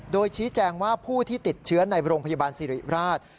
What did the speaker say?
โดยชี้แจงว่าผู้ที่ติดเชื้อในโรงพยาบาลสิริราช